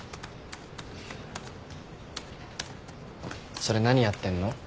それ何やってんの？